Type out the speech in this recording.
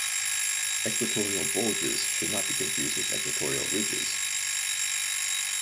Equatorial bulges should not be confused with equatorial ridges.